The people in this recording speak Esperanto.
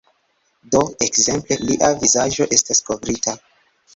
Do, ekzemple lia vizaĝo estas kovrita